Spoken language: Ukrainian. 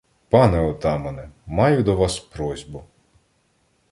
— Пане отамане, маю до вас просьбу.